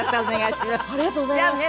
ありがとうございます。